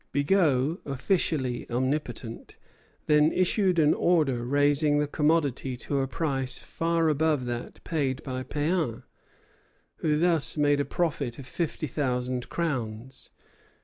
Bigot, officially omnipotent, then issued an order raising the commodity to a price far above that paid by Péan, who thus made a profit of fifty thousand crowns.